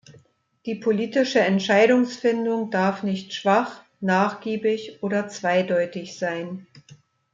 Die politische Entscheidungsfindung darf nicht schwach, nachgiebig oder zweideutig sein.